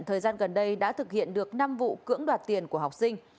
thời gian gần đây đã thực hiện được năm vụ cưỡng đoạt tiền của học sinh